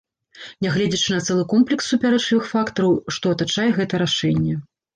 Нягледзячы на цэлы комплекс супярэчлівых фактараў, што атачае гэта рашэнне.